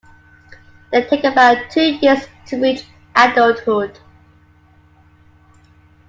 They take about two years to reach adulthood.